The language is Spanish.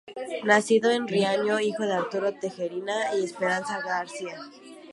Nacido en Riaño, hijo de Arturo Tejerina y Esperanza García.